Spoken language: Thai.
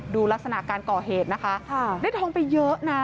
ดูลักษณะการก่อเหตุนะคะได้ทองไปเยอะนะ